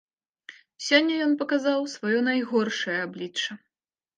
Сёння ён паказаў сваё найгоршае аблічча.